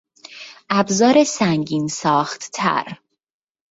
ابزار سنگین ساختتر